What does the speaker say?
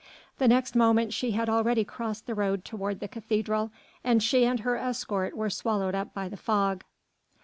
The next moment she had already crossed the road toward the cathedral, and she and her escort were swallowed up by the fog.